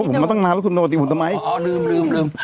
ผมมาตั้งนานแล้วคุณโดติมมุนไตม์อ๋อลืม